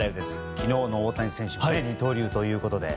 昨日の大谷選手二刀流ということで。